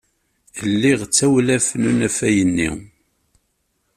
Liɣ tawlaf n unafag-nni.